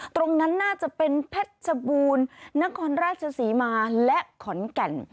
ตรงนั้นน่าจะเป็นเพชรชบูรณ์นครราชศรีมาและขอนแก่น